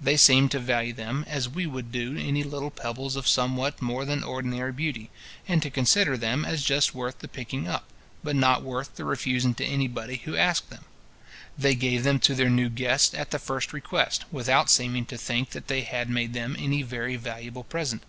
They seemed to value them as we would do any little pebbles of somewhat more than ordinary beauty, and to consider them as just worth the picking up, but not worth the refusing to any body who asked them, They gave them to their new guests at the first request, without seeming to think that they had made them any very valuable present.